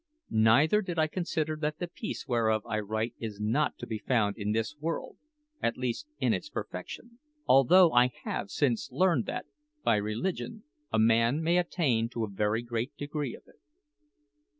Neither did I consider that the peace whereof I write is not to be found in this world at least in its perfection although I have since learned that, by religion, a man may attain to a very great degree of it.